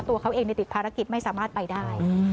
ตัวเขาเองติดภารกิจไม่สามารถไปได้